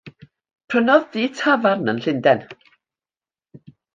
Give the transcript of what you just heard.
Prynodd dŷ tafarn yn Llundain.